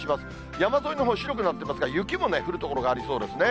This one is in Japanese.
山沿いのほう、白くなってますが、雪も降る所がありそうですね。